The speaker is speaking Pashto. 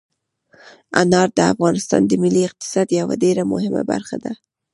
انار د افغانستان د ملي اقتصاد یوه ډېره مهمه برخه ده.